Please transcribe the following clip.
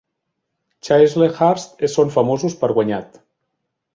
Chislehurst són famosos per guanyat.